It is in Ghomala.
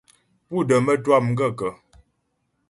Pú də mətwâ m gaə́kə̀ ?